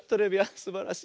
すばらしい。